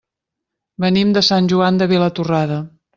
Venim de Sant Joan de Vilatorrada.